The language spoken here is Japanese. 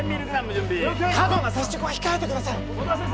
過度な接触は控えてください音羽先生！